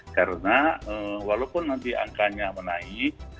karena walaupun nanti angkanya menaik